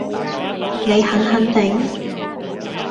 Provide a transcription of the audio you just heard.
你肯肯定？